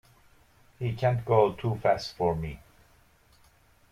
He can't go too fast for me.